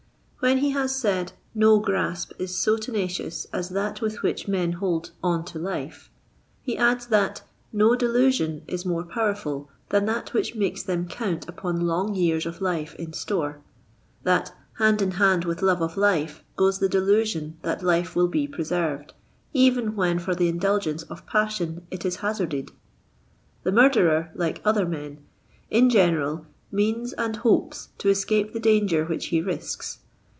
When he has said no grasp is so tenacious as that with which men hold on to life," he adds that «* no delusion is more powerful than that which makes them count upon long years of life in store ;" that hand in hand with love of life goes the delusion that life will be preserved, even when for the indulgence of passion it is hazarded." The murderer, like other men, in general means and hopes to escape the danger which he risks.